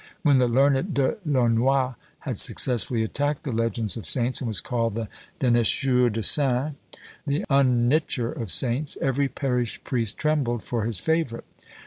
When the learned De Launoi had successfully attacked the legends of saints, and was called the Denicheur de Saints, the "Unnicher of Saints," every parish priest trembled for his favourite.